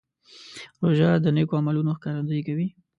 روژه د نیکو عملونو ښکارندویي کوي.